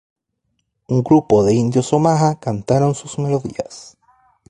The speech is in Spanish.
Un grupo de indios Omaha cantaron sus melodías.